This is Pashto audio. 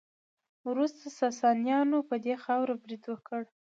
وروسته ساسانیانو په دې خاوره برید وکړ